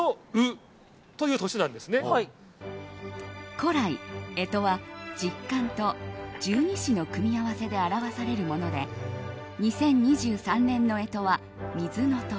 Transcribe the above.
古来、干支は十干と十二支の組み合わせで表されるもので２０２３年の干支は「癸・卯」。